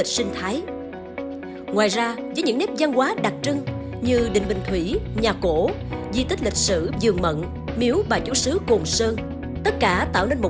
xin chào và hẹn gặp lại các bạn trong những video tiếp theo